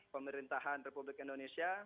pemerintahan republik indonesia